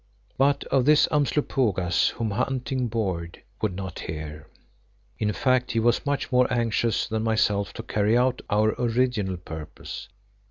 But of this Umslopogaas, whom hunting bored, would not hear. In fact, he was much more anxious than myself to carry out our original purpose.